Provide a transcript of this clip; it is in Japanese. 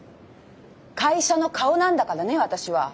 会社の顔なんだからね私は。